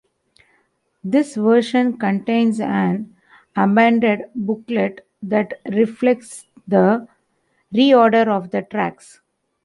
This version contains an amended booklet that reflects the reorder of the tracks.